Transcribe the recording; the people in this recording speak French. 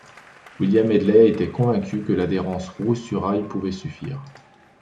William Hedley était convaincu que l'adhérence roue sur rail pouvait suffire.